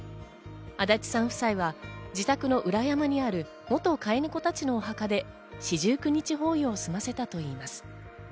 足立さん夫妻は自宅の裏山にある元飼いネコたちのお墓で四十九日法要を済ませたといいます。